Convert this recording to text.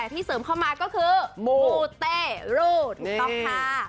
ที่เสริมเข้ามาก็คือหมูเต้รูดถูกต้องค่ะ